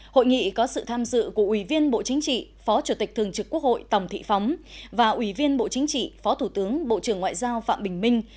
hội nghị có sự tham dự của ủy viên bộ chính trị phó chủ tịch thường trực quốc hội tòng thị phóng và ủy viên bộ chính trị phó thủ tướng bộ trưởng ngoại giao phạm bình minh